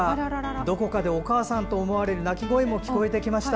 どこかでお母さんと思われる鳴き声も聞こえてきました。